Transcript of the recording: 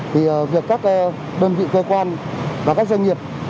thì việc các đơn vị cơ quan và các doanh nghiệp